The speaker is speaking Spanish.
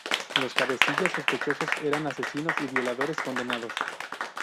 Los cabecillas sospechosos eran asesinos y violadores condenados.